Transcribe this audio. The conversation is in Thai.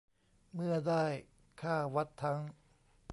เมื่อได้ค่าวัดทั้ง